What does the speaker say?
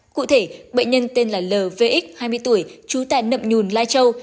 cụ thể bệnh nhân tên là lvx hai mươi tuổi trú tại nậm nhùn lai châu